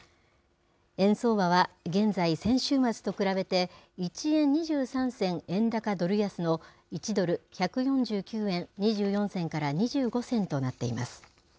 円相場は現在、先週末と比べて、１円２３銭円高ドル安の１ドル１４９円２４銭から２５銭となっています。